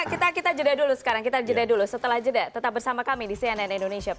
kita kita jadilah dulu sekarang